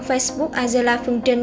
facebook angela phương trình